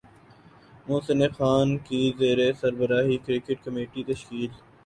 محسن خان کی زیر سربراہی کرکٹ کمیٹی تشکیل